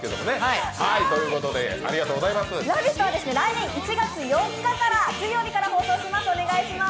「ラヴィット！」は来年１月４日から水曜日から放送いたします。